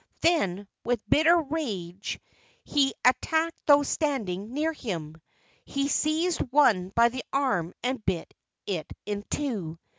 Then with bitter rage he attacked those standing near him. He seized one by the arm and bit it in two.